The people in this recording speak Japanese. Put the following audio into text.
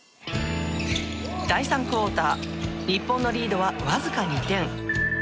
第３クオーター日本のリードはわずか２点。